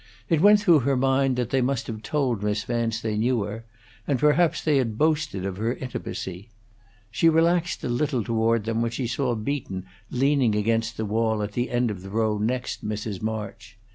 It went through her mind that they must have told Miss Vance they knew her; and perhaps they had boasted of her intimacy. She relaxed a little toward them when she saw Beaton leaning against the wall at the end of the row next Mrs. March.